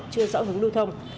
chưa rõ hứng lưu thông